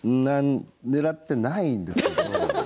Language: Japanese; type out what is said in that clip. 狙ってないんですけど。